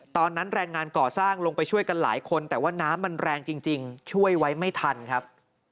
แรงงานก่อสร้างลงไปช่วยกันหลายคนแต่ว่าน้ำมันแรงจริงช่วยไว้ไม่ทันครับ